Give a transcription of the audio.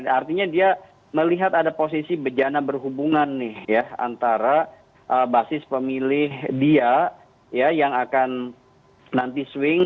artinya dia melihat ada posisi bejana berhubungan nih ya antara basis pemilih dia yang akan nanti swing